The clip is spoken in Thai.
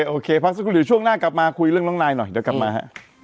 โอเคพักสักครู่เดี๋ยวช่วงหน้ากลับมาคุยเรื่องน้องนายหน่อยเดี๋ยวกลับมาฮะ